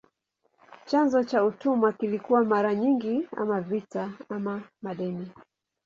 Chanzo cha utumwa kilikuwa mara nyingi ama vita ama madeni.